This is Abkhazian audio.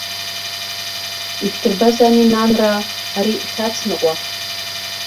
Ишәдырбаз ами, нанраа, ари, шәацныҟәа.